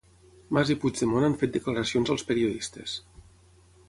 Mas i Puigdemont han fet declaracions als periodistes.